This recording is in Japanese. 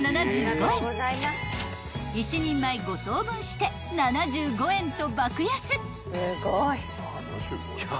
［１人前５等分して７５円と爆安］